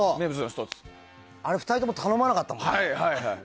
あれ、２人とも頼まなかったもんね。